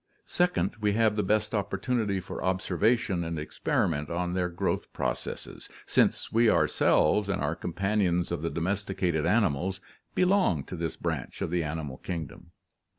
Second, we have the best opportunity for observation and experiment on their growth processes, since we 180 ORGANIC EVOLUTION ourselves and our companions of the domesticated animals belong to this branch of the animal kingdom.